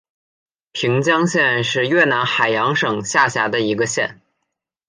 平江县是越南海阳省下辖的一个县。